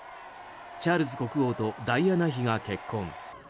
チャールズ国王とダイアナ妃が結婚。